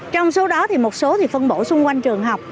trong số đó một số phân bổ xung quanh trường học